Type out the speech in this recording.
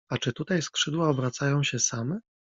— A czy tutaj skrzydła obracają się same?